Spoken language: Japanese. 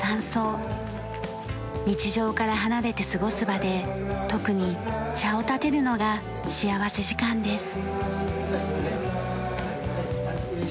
日常から離れて過ごす場で特に茶をたてるのが幸福時間です。